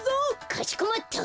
かしこまった！